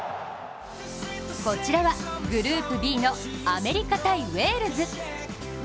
こちらはグループＢのアメリカ×ウェールズ。